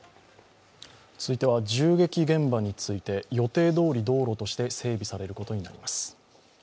続いては銃撃現場について予定どおり道路として整備されることになります。